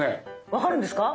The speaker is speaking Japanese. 分かるんですか？